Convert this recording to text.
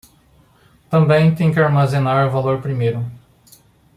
Também tem que armazenar o valor primeiro